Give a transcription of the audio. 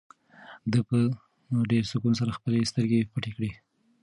ده په ډېر سکون سره خپلې سترګې پټې کړې.